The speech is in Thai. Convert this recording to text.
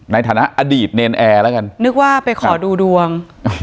ในฐานะอดีตเนรนแอร์แล้วกันนึกว่าไปขอดูดวง